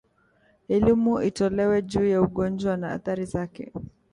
Elimu itolewe juu ya ugonjwa na athari zake